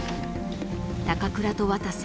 ［高倉と渡瀬。